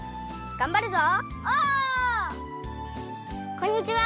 こんにちは。